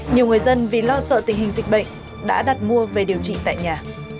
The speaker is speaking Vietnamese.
nhiều người dân vì lo sợ tình hình dịch bệnh đã đặt mua về điều trị tại nhà